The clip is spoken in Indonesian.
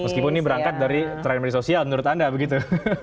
meskipun ini berangkat dari tren media sosial menurut anda begitu